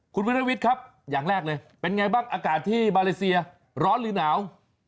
คุณวิรวิทย์ครับอย่างแรกเลยเป็นไงบ้างอากาศที่มาเลเซียร้อนหรือหนาว